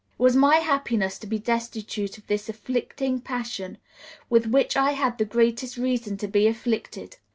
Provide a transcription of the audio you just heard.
It was my happiness to be destitute of this afflicting passion, with which I had the greatest reason to be afflicted."